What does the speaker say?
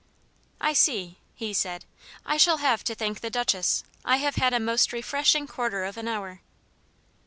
"I see," he said. "I shall have to thank the Duchess. I have had a most refreshing quarter of an hour."